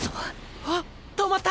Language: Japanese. あっ止まった！